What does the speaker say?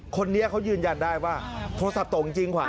คนนี้เขายืนยันได้ว่าโทรศัพท์ตกจริงขวา